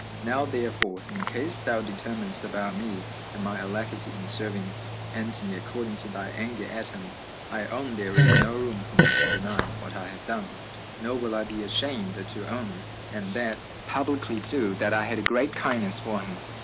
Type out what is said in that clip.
Now, therefore, in case thou determinest about me, and my alacrity in serving Antony, according to thy anger at him, I own there is no room for me to deny what I have done, nor will I be ashamed to own, and that publicly too, that I had a great kindness for him.